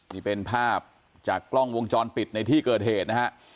นี่เป็นภาพจากกล้องวงจรปิดในที่เกิดเหตุนะฮะ